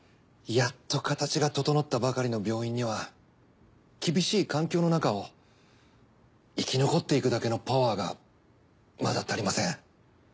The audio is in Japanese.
やっと形が整ったばかりの病院には厳しい環境のなかを生き残っていくだけのパワーがまだ足りません。